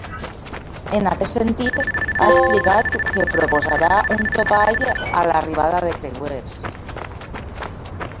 En aquest sentit, ha explicat que proposarà un topall a l’arribada de creuers.